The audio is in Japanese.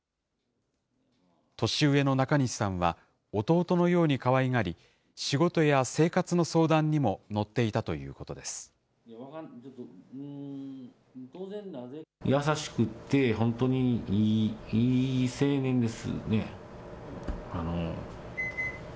年上の中西さんは、弟のようにかわいがり、仕事や生活の相談にも乗っていたということです。